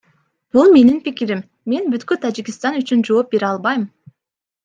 Бул менин пикирим, мен бүткүл Тажикстан үчүн жооп бере албайм.